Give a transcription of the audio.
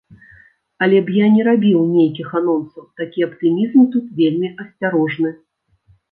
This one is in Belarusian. Але б я не рабіў нейкіх анонсаў, такі аптымізм тут вельмі асцярожны.